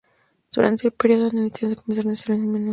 Durante el periodo neolítico comenzaron a domesticar a los animales.